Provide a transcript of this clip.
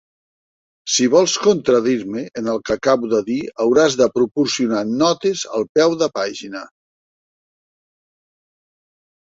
Si vols contradir-me en el que acabo de dir, hauràs de proporcionar notes al peu de pàgina.